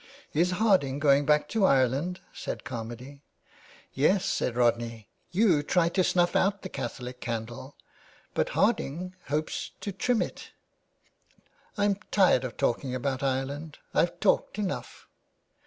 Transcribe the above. ''" Is Harding going back to Ireland ?" said Carmady. 41S THE WAY BACK. " Yes," said Rodney. '' You tried to snuff out the Catholic candle, but Harding hopes to trim it." " I'm tired of talking about Ireland. I've talked enough."